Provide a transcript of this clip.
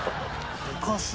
おかしい。